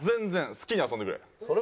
好きに遊んでくれ。